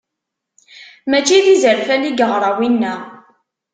Mačči d izerfan i yeɣra winna.